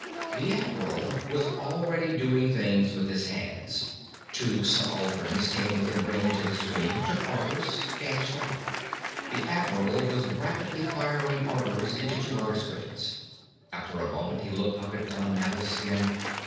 The Admiral was already doing things with his hands. Two subalterns came within range of the screen, took orders, dashed off. The Admiral was rapidly firing orders into two other screens. After a moment, he looked up at Don Mathers again.